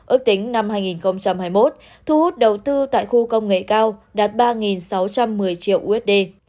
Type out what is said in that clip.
ước tính năm hai nghìn hai mươi một thu hút đầu tư tại khu công nghệ cao đạt ba sáu trăm một mươi triệu usd